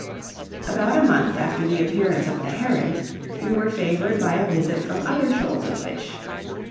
About a month after the appearance of the herrings, we were favored by a visit from other shoals of fish.